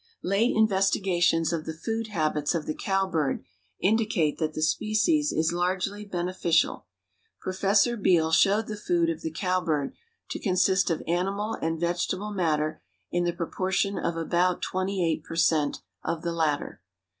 Late investigations of the food habits of the cowbird indicate that the species is largely beneficial. Prof. Beal showed the food of the cowbird to consist of animal and vegetable matter in the proportion of about twenty eight per cent. of the latter.